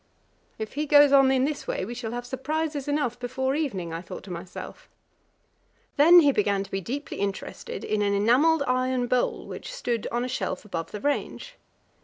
If he goes on in this way, we shall have surprises enough before evening, I thought to myself. Then he began to be deeply interested in an enamelled iron bowl, which stood on a shelf above the range.